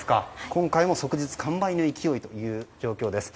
今回も即日完売の勢いという状況です。